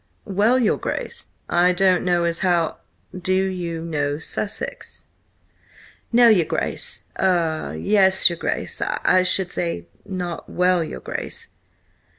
"Well, your Grace, I don't know as how—" "Do you know Sussex?" "No, your Grace–er–yes, your Grace! I should say, not well, your Grace!"